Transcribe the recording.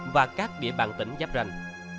và các địa bàn tỉnh giáp rành